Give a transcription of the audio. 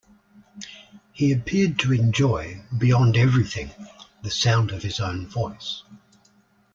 He appeared to enjoy beyond everything the sound of his own voice.